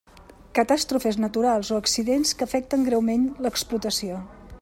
Catàstrofes naturals o accidents que afecten greument l'explotació.